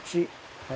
はい。